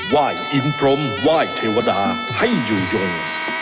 ว่ายอินพร้อมว่ายเทวดาให้อยู่ยง